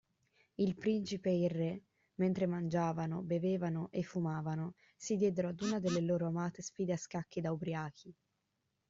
Il principe e il re, mentre mangiavano, bevevano e fumavano, si diedero ad una delle loro amate sfide a scacchi da ubriachi.